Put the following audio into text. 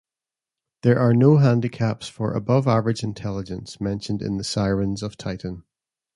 There are no handicaps for above-average intelligence mentioned in "The Sirens of Titan".